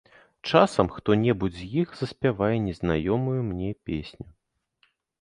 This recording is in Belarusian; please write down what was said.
Часам хто-небудзь з іх заспявае незнаёмую мне песню.